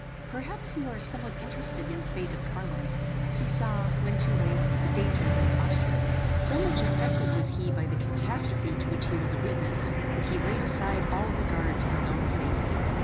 Perhaps you are somewhat interested in the fate of Carwin. He saw, when too late, the danger of imposture. So much affected was he by the catastrophe to which he was a witness, that he laid aside all regard to his own safety.